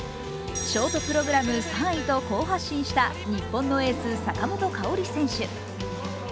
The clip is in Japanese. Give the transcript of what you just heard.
ショートプログラム３位と好発進した日本のエース、坂本花織選手。